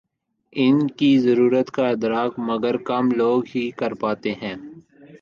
ان کی ضرورت کا ادراک مگر کم لوگ ہی کر پاتے ہیں۔